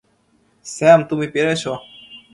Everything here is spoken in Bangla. স্যাম, তুমি পেরেছ!